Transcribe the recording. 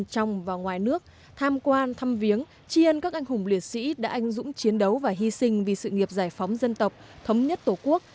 trong và ngoài nước tham quan thăm viếng tri ân các anh hùng liệt sĩ đã anh dũng chiến đấu và hy sinh vì sự nghiệp giải phóng dân tộc thống nhất tổ quốc